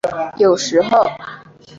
有时候。